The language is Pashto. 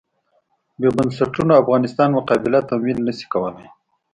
بې بنسټونو افغانستان مقابله تمویل نه شي کولای.